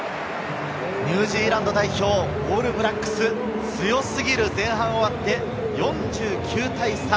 ニュージーランド代表・オールブラックス、強すぎる前半を終わって、４９対３。